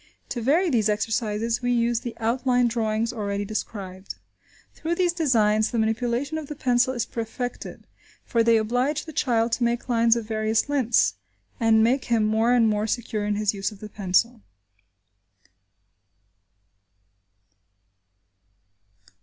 To vary these exercises, we use the outline drawings already described. Through these designs, the manipulation of the pencil is perfected, for they oblige the child to make lines of various lengths, and make him more and more secure in his use of the pencil.